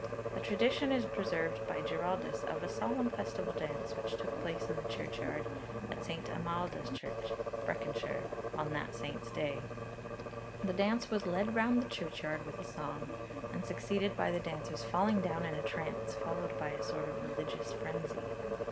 A tradition is preserved by Giraldus of a solemn festival dance which took place in the churchyard at St. Almedha's church, Breconshire, on that saint's day. The dance was 'led round the churchyard with a song,' and succeeded by the dancers falling down in a trance, followed by a sort of religious frenzy.